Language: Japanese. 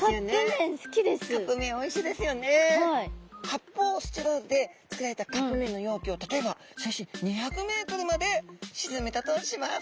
発泡スチロールで作られたカップめんの容器を例えば水深２００ｍまでしずめたとします。